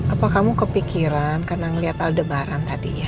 apa kamu kepikiran karena ngeliat aldebaran tadi ya